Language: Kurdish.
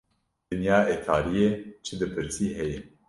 Dinya etariye çi dipirsî heye